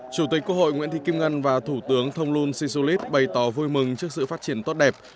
chủ tịch quốc hội nguyễn thị kim ngân và thủ tướng thông luân si su lít bày tỏ vui mừng trước sự phát triển tốt đẹp